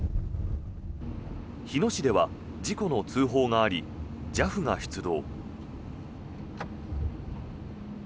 日野市では事故の通報がありＪＡＦが出動。